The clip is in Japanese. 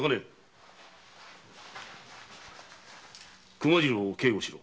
熊次郎を警護しろ。